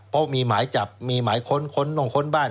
เพราะมีหมายจับมีหมายค้นค้นต้องค้นบ้าน